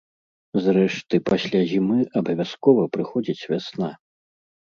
Зрэшты, пасля зімы абавязкова прыходзіць вясна.